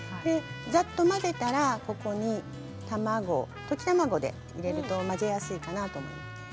ざっと混ぜたらここに卵溶き卵で入れると混ぜやすいかなと思います。